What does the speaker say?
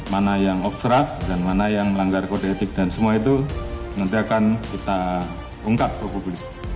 mana yang obstrak dan mana yang melanggar kode etik dan semua itu nanti akan kita ungkap ke publik